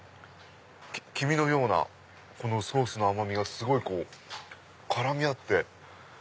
黄身のようなこのソースの甘味がすごい絡み合って。